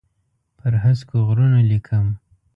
پر هسکو غرونو لیکم